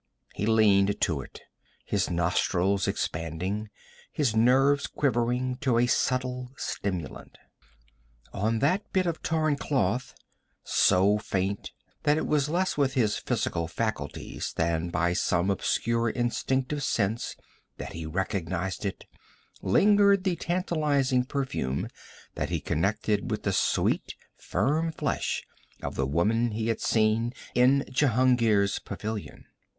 He leaned to it, his nostrils expanding, his nerves quivering to a subtle stimulant. On that bit of torn cloth, so faint that it was less with his physical faculties than by some obscure instinctive sense that he recognized it, lingered the tantalizing perfume that he connected with the sweet firm flesh of the woman he had seen in Jehungir's pavilion.